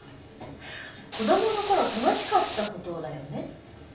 子どもの頃楽しかったことだよね。